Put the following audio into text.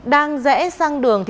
đang rẽ sang đường